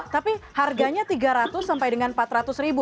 tapi harganya tiga ratus sampai dengan empat ratus ribu